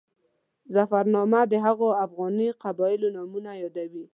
ظفرنامه د هغو افغاني قبیلو نومونه یادوي.